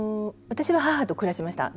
私は母と暮らしました。